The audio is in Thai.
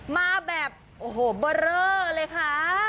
มาแบบโอ้โหเบอร์เรอเลยค่ะ